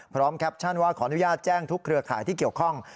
แคปชั่นว่าขออนุญาตแจ้งทุกเครือข่ายที่เกี่ยวข้อง